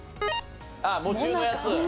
あっ「喪中」のやつ。